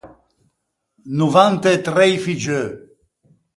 Novant’e trei figgeu.